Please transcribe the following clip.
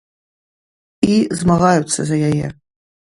І змагаюцца за яе.